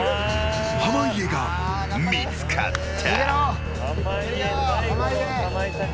濱家が見つかった。